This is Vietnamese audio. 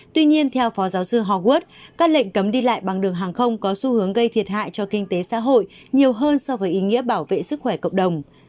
tuy nhiên theo phó giáo sư harward các lệnh cấm đi lại bằng đường hàng không có xu hướng gây thiệt hại cho kinh tế xã hội nhiều hơn so với ý nghĩa bảo vệ sức khỏe cộng đồng